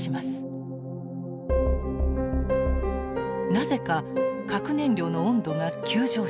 なぜか核燃料の温度が急上昇。